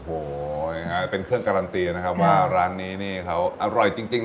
โอ้โหเป็นเครื่องการันตีนะครับว่าร้านนี้นี่เขาอร่อยจริง